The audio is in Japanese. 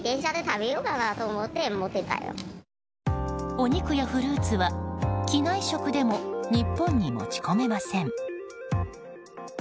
お肉やフルーツは、機内食でも日本に持ち込めません。